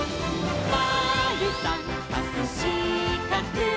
「まるさんかくしかく」